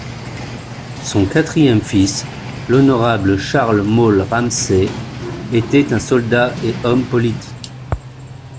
Son quatrième fils, l'Honorable Charles Maule Ramsay était un soldat et homme politique.